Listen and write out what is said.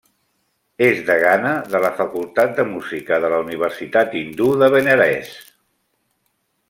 És degana de la Facultat de Música de la Universitat Hindú de Benarés.